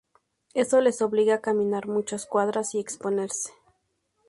Eso les obliga a caminar muchas cuadras y exponerse.